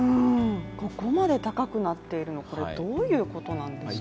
ここまで高くなっているの、これ、どういうことなんですか？